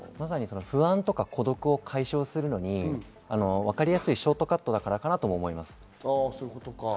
不安とか孤独を解消するのにわかりやすいショートカットだからかなと思います。